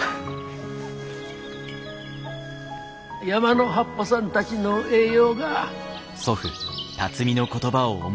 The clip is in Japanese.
山の葉っぱさんたちの栄養が。